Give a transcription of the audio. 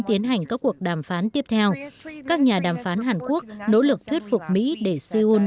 tiến hành các cuộc đàm phán tiếp theo các nhà đàm phán hàn quốc nỗ lực thuyết phục mỹ để seoul